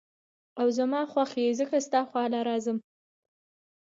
او زما خوښ ئې ځکه ستا خواله راځم ـ